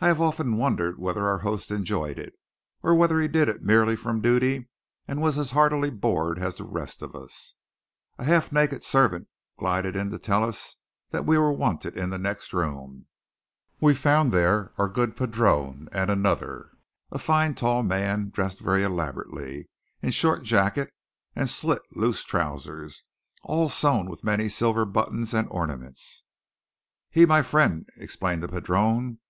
I have often wondered whether our host enjoyed it, or whether he did it merely from duty, and was as heartily bored as the rest of us. A half naked servant glided in to tell us that we were wanted in the next room. We found there our good padrone and another, a fine tall man, dressed very elaborately in short jacket and slit loose trousers, all sewn with many silver buttons and ornaments. "He my fren'," explained the padrone.